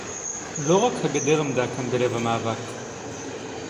לא רק הגדר עמדה כאן בלב המאבק